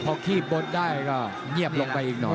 พอคีบบนได้ก็เงียบลงไปอีกหน่อย